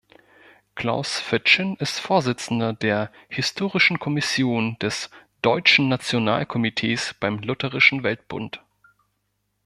Klaus Fitschen ist Vorsitzender der "Historischen Kommission" des "Deutschen Nationalkomitees" beim Lutherischen Weltbund.